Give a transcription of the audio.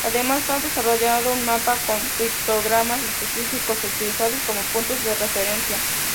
Además ha desarrollado un mapa con pictogramas específicos utilizados como puntos de referencia.